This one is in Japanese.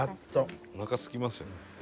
おなかすきますよね」